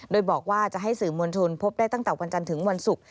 โดยบอกว่าจะให้สื่อมวลชนพบได้ตั้งแต่วันจันทร์ถึงวันศุกร์